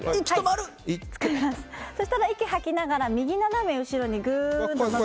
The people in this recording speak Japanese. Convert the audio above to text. そしたら、息を吐きながら右斜め後ろにぐーっと。